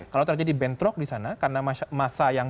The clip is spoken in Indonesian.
kalau terjadi bentrok di sana karena masa yang